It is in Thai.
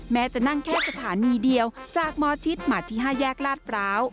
แม้จะนั่งแค่สถานีเดียวจากหมอชิดมาที่ห้าแยกลาดปราว